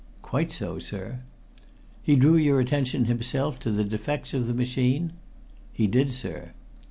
"Quite so, sir." "He drew your attention himself to the defects of the machine?" "He did, sir."